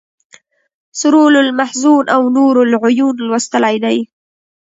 سرور المحزون او نور العیون لوستلی دی.